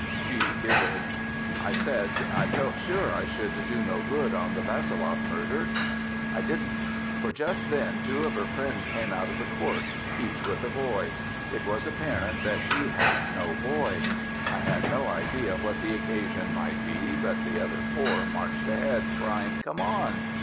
She giggled.... I said I felt sure I should do no good on the Vassiloff murder. I didn't. For just then two of her friends came out of the court, each with a boy. It was apparent that she had no boy. I had no idea what the occasion might be, but the other four marched ahead, crying, "Come on!"